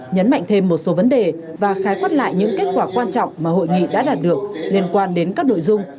nhấn mạnh thêm một số vấn đề và khái quát lại những kết quả quan trọng mà hội nghị đã đạt được liên quan đến các nội dung